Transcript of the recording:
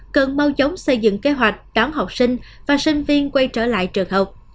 cần mau chóng xây dựng kế hoạch đón học sinh và sinh viên quay trở lại trường học